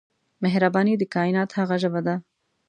مهرباني د کائنات هغه ژبه ده.